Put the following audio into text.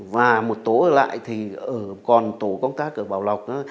và một tổ ở lại thì còn tổ công tác ở bảo lộc